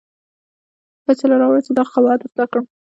فیصله راوړه چې دغه قباحت اصلاح کړم.